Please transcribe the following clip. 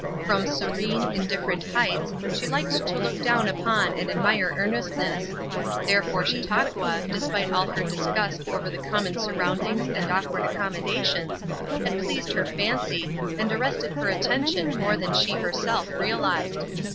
From serene, indifferent heights she liked to look down upon and admire earnestness; therefore Chautauqua, despite all her disgust over the common surroundings and awkward accommodations, had pleased her fancy and arrested her attention more than she herself realized.